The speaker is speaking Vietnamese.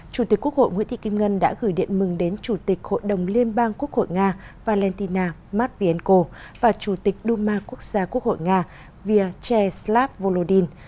chủ tịch quốc hội nguyễn thị kim ngân đã gửi điện mừng đến chủ tịch hội đồng liên bang quốc hội nga valentina matvienko và chủ tịch đu ma quốc gia quốc hội nga vyache slav volodin